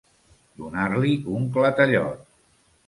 Donar-li un clatellot.